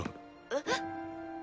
えっ？